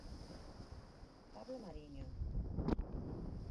Pablo Mariño.